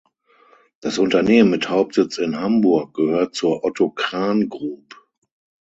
Das Unternehmen mit Hauptsitz in Hamburg gehört zur Otto Krahn Group.